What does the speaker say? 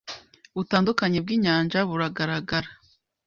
butandukanye bw'inyanja buragaragara